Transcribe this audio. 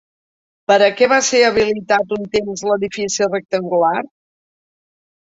Per a què va ser habilitat un temps l'edifici rectangular?